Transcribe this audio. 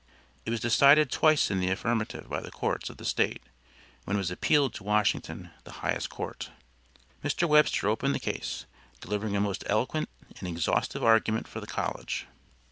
It was decided twice in the affirmative by the courts of the State, when it was appealed to Washington, the highest court. Mr. Webster opened the case, delivering a most eloquent and exhaustive argument for the college.